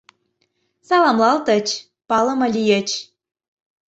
Саламлалтыч, палыме лийыч.